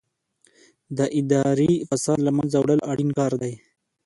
د اداري فساد له منځه وړل اړین کار دی.